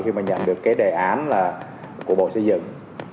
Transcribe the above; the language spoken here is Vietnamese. khi mà nhận được cái đề án là của bộ xây dựng